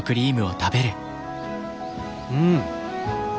うん。